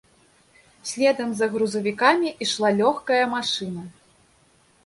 Следам за грузавікамі ішла лёгкая машына.